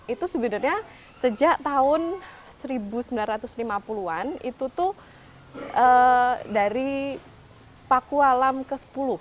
itu sebenarnya sejak tahun seribu sembilan ratus lima puluh an itu tuh dari paku alam ke sepuluh